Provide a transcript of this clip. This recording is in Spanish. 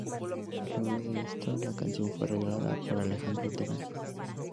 Luego de esto, la canción fue arreglada por Alejandro Terán.